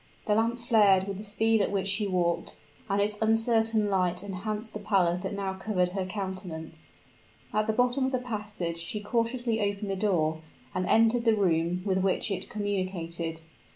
The lamp flared with the speed at which she walked; and its uncertain light enhanced the pallor that now covered her countenance. At the bottom of the passage she cautiously opened the door, and entered the room with which it communicated.